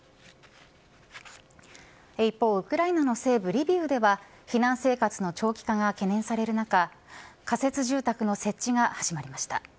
一方、ウクライナの西部リビウでは避難生活の長期化が懸念される中仮設住宅の設置が始まりました。